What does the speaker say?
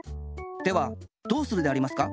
ではどうするでありますか？